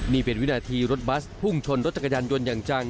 นี่เป็นวินาทีรถบัสพุ่งชนรถจักรยานยนต์อย่างจัง